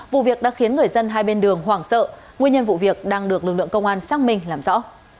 vụ việc đã khiến người dân hai bên đường hoảng sợ nguyên nhân vụ việc đang được lực lượng công an xác minh làm rõ